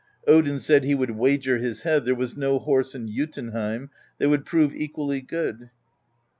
Odin said he would wager his head there was no horse in Jotunheim that would prove equally good.